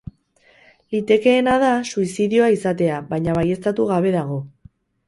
Litekeena da suizidioa izatea, baina baieztatu gabe dago.